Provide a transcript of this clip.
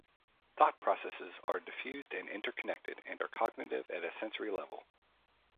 Thought processes are diffused and interconnected and are cognitive at a sensory level.